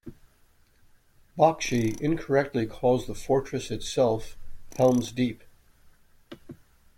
Bakshi incorrectly calls the fortress itself "Helm's Deep".